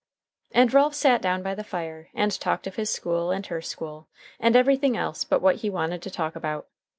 And Ralph sat down by the fire, and talked of his school and her school, and everything else but what he wanted to talk about.